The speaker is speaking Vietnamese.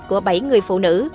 của bảy người phụ nữ